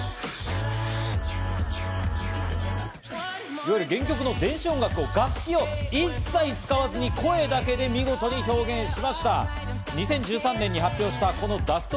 いわゆる原曲の電子音楽を楽器を一切使わずに、声だけで見事に表現しました。